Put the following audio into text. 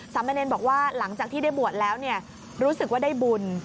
มะเนรบอกว่าหลังจากที่ได้บวชแล้วรู้สึกว่าได้บุญ